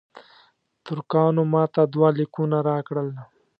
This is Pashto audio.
ترکانو ماته دوه لیکونه راکړل.